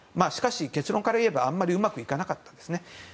しかし、結論からいえば、あまりうまくいかなかったんですね。